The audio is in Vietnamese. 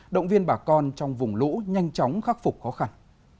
động viên bà con trong vùng lũ nhanh chóng khắc phục khó khăn